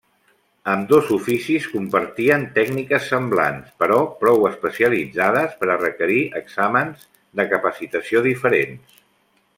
Ambdós oficis compartien tècniques semblants però prou especialitzades per a requerir exàmens de capacitació diferents.